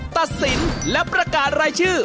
ตัดสินและประกาศรายชื่อ